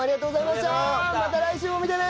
また来週も見てね！